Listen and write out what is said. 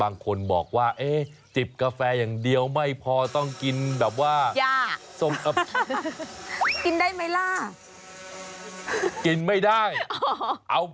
อ้างล้างก็เป็นน่าข้าวอย่างนี้เหรอ